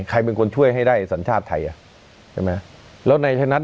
ใครเป็นคนช่วยให้ได้สัญชาติไทยแล้วนายชัยนัท